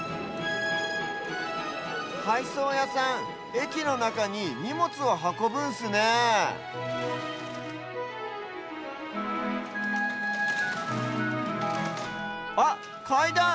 はいそうやさんえきのなかににもつをはこぶんすねえあっかいだん！